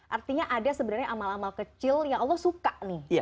artinya ada sebenarnya amal amal kecil yang allah suka nih